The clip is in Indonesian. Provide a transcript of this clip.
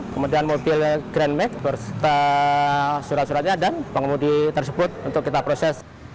kemudian mobil grandmap berserta surat suratnya dan pengemudi tersebut untuk kita proses